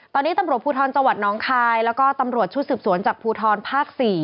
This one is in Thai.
ตอนนี้ตำรวจภูทรจังหวัดน้องคายแล้วก็ตำรวจชุดสืบสวนจากภูทรภาค๔